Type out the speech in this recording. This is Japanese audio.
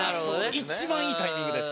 一番いいタイミングです。